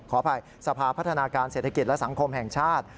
ขออภัยสภาพัฒนาการเศรษฐกิจและสังคมแห่งชาติ